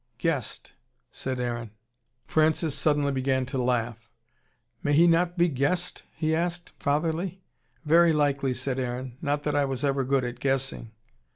"Guest!" said Aaron. Francis suddenly began to laugh. "May he not be Guest?" he asked, fatherly. "Very likely," said Aaron. "Not that I was ever good at guessing."